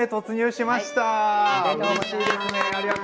うれしいですね！